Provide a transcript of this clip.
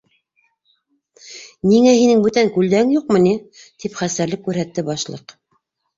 - Ниңә, һинең бүтән күлдәгең юҡмы ни? - тип хәстәрлек күрһәтте Башлыҡ.